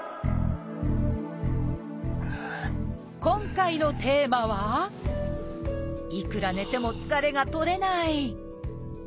今回のテーマはいくら寝ても疲れが取れない。